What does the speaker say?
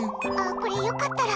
これ、良かったら。